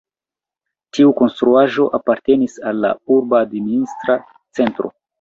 Tiu konstruaĵo apartenis al la urba administra centro.